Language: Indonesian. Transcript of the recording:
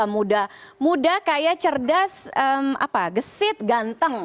muda kayak cerdas apa gesit ganteng